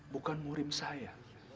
bukan murim saya